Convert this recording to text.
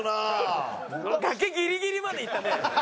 崖ギリギリまで行ったね。